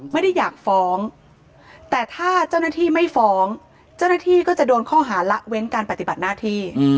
ไม่ได้อยากฟ้องแต่ถ้าเจ้าหน้าที่ไม่ฟ้องเจ้าหน้าที่ก็จะโดนข้อหาละเว้นการปฏิบัติหน้าที่